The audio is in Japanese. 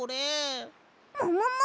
ももも！